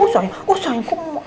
usah ya usah ya